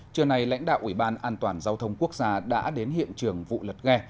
trưa nay lãnh đạo ủy ban an toàn giao thông quốc gia đã đến hiện trường vụ lật ghe